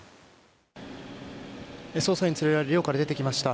捜査員に連れられて寮から出てきました。